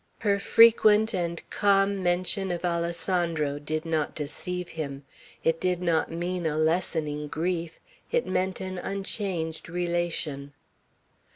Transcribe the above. Her frequent and calm mention of Alessandro did not deceive him. It did not mean a lessening grief: it meant an unchanged relation.